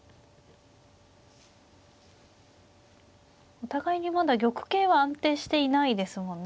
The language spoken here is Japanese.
お互いにまだ玉形は安定していないですもんね。